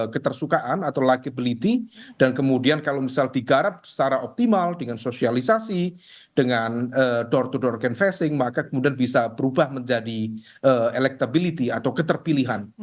ketersukaan atau licability dan kemudian kalau misal digarap secara optimal dengan sosialisasi dengan door to door can facing maka kemudian bisa berubah menjadi electability atau keterpilihan